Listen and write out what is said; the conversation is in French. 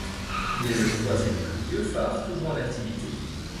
Il est le troisième plus vieux phare toujours en activité.